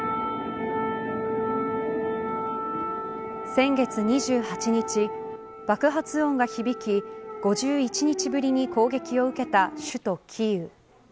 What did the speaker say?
先月２８日、爆発音が響き５１日ぶりに攻撃を受けた首都キーウ。